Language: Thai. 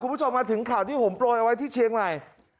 คุณผู้ชมมาถึงข่าวที่ผมโปรยเอาไว้ที่เชียงใหม่